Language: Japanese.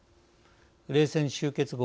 冷戦終結後